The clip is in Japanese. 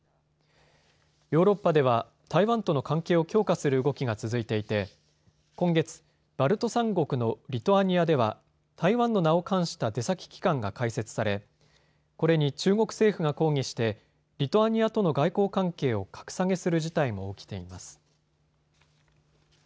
ヨーロッパでは台湾との関係を強化する動きが続いていて今月、バルト三国のリトアニアでは、台湾の名を冠した出先機関が開設されこれに中国政府が抗議してリトアニアとの外交関係を格下げする事態も起きています。